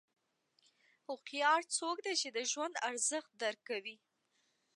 هوښیار څوک دی چې د ژوند ارزښت درک کوي.